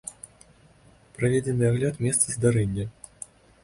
Праведзены агляд месца здарэння.